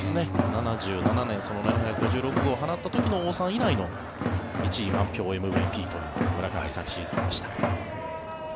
７７年、７５６号を放った時の王さん以来の１位、満票ＭＶＰという村上の昨シーズンでした。